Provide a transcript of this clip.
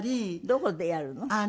どこでやるの？